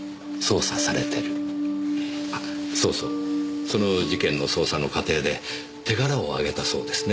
あっそうそうその事件の捜査の過程で手柄を上げたそうですね。